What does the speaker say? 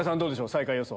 最下位予想。